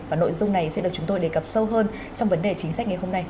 và nội dung này sẽ được chúng tôi đề cập sâu hơn trong vấn đề chính sách ngày hôm nay